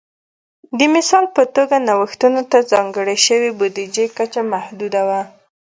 د مثال په توګه نوښتونو ته ځانګړې شوې بودیجې کچه محدوده وه